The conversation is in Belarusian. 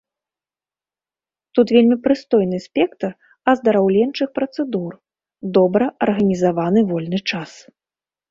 Тут вельмі прыстойны спектр аздараўленчых працэдур, добра арганізаваны вольны час.